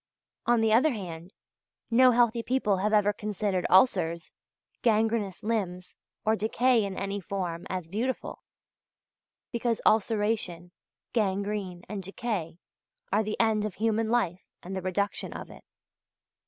On the other hand, no healthy people have ever considered ulcers, gangrenous limbs, or decay in any form, as beautiful; because ulceration, gangrene, and decay, are the end of human life and the reduction of it.